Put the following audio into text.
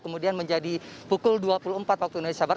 kemudian menjadi pukul dua puluh empat waktu indonesia barat